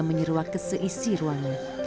menyeruak keseisi ruangnya